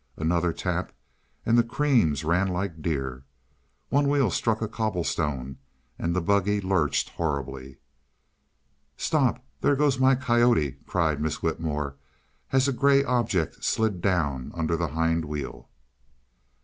Another tap, and the creams ran like deer. One wheel struck a cobble stone, and the buggy lurched horribly. "Stop! There goes my coyote!" cried Miss Whitmore, as a gray object slid down under the hind wheel.